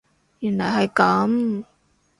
原來係噉